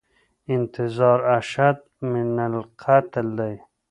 انتظار اشد من القتل دی